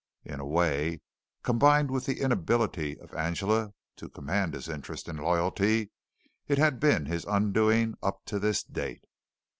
In a way, combined with the inability of Angela to command his interest and loyalty, it had been his undoing up to this date.